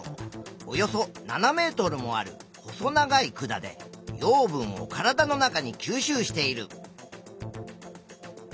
およそ７ｍもある細長い管で養分を体の中に吸収している。